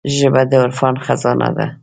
ژبه د عرفان خزانه ده